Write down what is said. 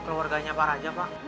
keluarganya pak rajab pak